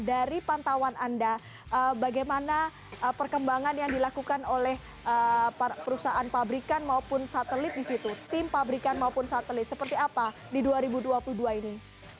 dari pantauan anda bagaimana perkembangan yang dilakukan oleh perusahaan pabrikan maupun satelit di situ tim pabrikan maupun satelit seperti apa di dua ribu dua puluh dua ini